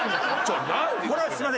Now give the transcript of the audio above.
これはすいません。